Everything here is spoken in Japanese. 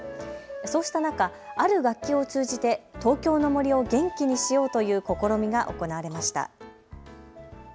そうした中、ある楽器を通じて東京の森を元気にしようという試みが行われました。